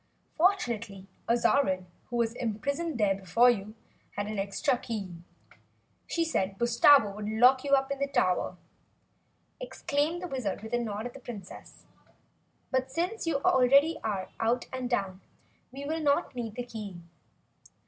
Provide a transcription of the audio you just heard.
"Fortunately Azarine, who was imprisoned there before you, had an extra key. She said Bustabo would lock you up in the tower!" exclaimed the Wizard with a nod at the Princess. "But since you already are out and down, we'll not need the key.